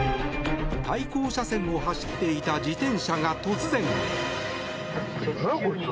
対向車線を走っていた自転車が突然。